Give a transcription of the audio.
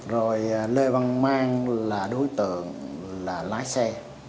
rồi lê văn mang là đối tượng là lái xe